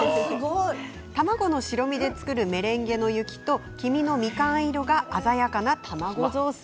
卵の白身で作るメレンゲの雪と黄身のみかん色が鮮やかな卵雑炊。